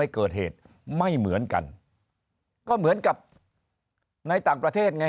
เกิดเหตุไม่เหมือนกันก็เหมือนกับในต่างประเทศไง